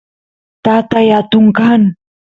tatay atun kan